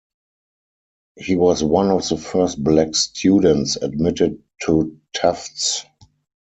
He was one of the first black students admitted to Tufts.